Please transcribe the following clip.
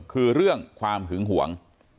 คือเรื่องความหึงห่วง